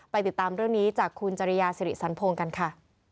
ติดตามเรื่องนี้จากคุณจริยาสิริสันพงศ์กันค่ะ